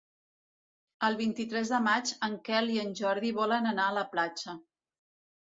El vint-i-tres de maig en Quel i en Jordi volen anar a la platja.